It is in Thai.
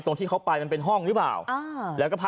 ตรงที่เข้าไปมันเป็นห้องหรือเปล่า